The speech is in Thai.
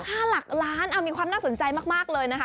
ค่าหลักล้านมีความน่าสนใจมากเลยนะคะ